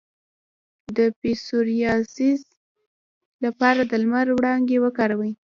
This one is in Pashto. د پسوریازیس لپاره د لمر وړانګې وکاروئ